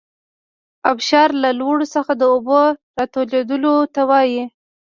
ابشار له لوړو څخه د اوبو راتویدلو ته وايي.